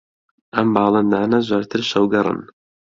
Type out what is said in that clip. ئەم باڵندانە زۆرتر شەوگەڕن